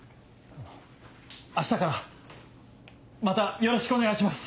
明日からまたよろしくお願いします！